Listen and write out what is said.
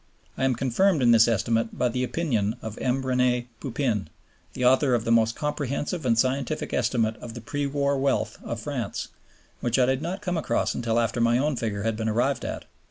I am confirmed in this estimate by the opinion of M. RenÈ Pupin, the author of the most comprehensive and scientific estimate of the pre war wealth of France, which I did not come across until after my own figure had been arrived at.